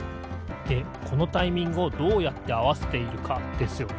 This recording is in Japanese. でこのタイミングをどうやってあわせているかですよね。